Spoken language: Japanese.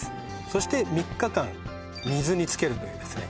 そして３日間水につけるというですね